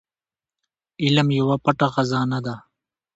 علم يوه پټه خزانه ده.